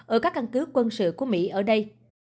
ở các căn cứ quân sự của mỹ ở đây